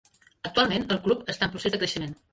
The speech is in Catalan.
Actualment el club està en procés de creixement.